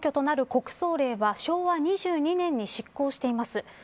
法的根拠となる国葬は昭和２２年に失効しています。